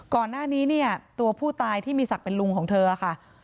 ก่อนหน้านี้เนี่ยตัวผู้ตายที่มีศักดิ์เป็นลุงของเธอค่ะ